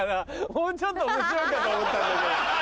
もうちょっと面白いかと思ったんだけど。